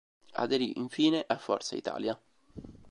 Aderì infine a Forza Italia.